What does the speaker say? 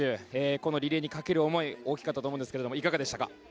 このリレーにかける思い大きかったと思いますがいかがでしたか。